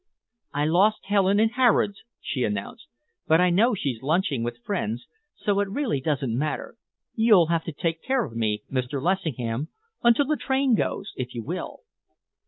"I lost Helen in Harrod's," she announced, "but I know she's lunching with friends, so it really doesn't matter. You'll have to take care of me, Mr. Lessingham, until the train goes, if you will."